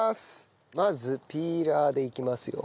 まずピーラーでいきますよ。